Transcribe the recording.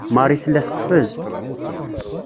Marie tella teqfez.